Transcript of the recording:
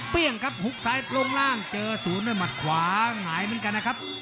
ครับหุบซ้ายลงล่างเจอศูนย์ด้วยหมัดขวาหงายเหมือนกันนะครับ